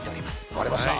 分かりました。